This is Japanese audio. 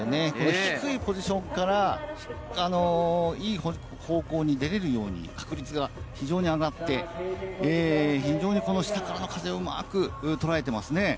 低いポジションからいい方向に出られるように確率が上がって、下からの風をうまくとらえていますね。